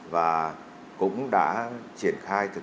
và cũng đã triển khai thực tế